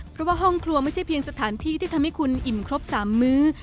เพราะว่าห้องครัวไม่ใช่เพียงสถานที่ที่ทำให้คุณอิ่มครบ๓มื้อ